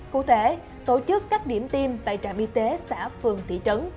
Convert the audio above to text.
cụ thể tổ chức các điểm tiêm tại trạm y tế xã phường thị trấn